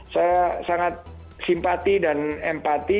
saya sangat simpati dan empati